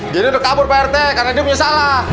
dia ini udah kabur pak rt karena dia punya salah